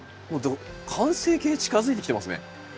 完成形近づいてきてますね。